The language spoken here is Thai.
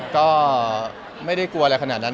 ก็ไม่ได้กลัวอะไรขนาดนั้น